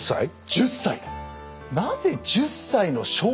１０歳で。